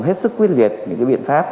hết sức quyết liệt những biện pháp